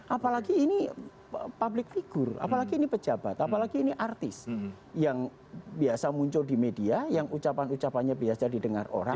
apalagi ini public figure apalagi ini pejabat apalagi ini artis yang biasa muncul di media yang ucapan ucapannya biasa didengar orang